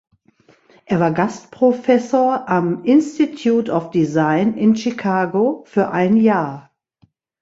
Er war Gastprofessor am "Institute of Design" in Chicago für ein Jahr.